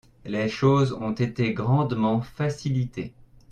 Les choses ont été grandement facilitées.